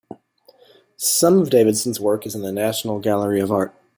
Some of Davidson's work is in the National Gallery of Art.